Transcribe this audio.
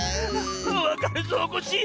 わかるぞコッシー！